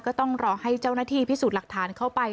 ก็ต้องรอให้เจ้าหน้าที่พิสูจน์หลักฐานเข้าไป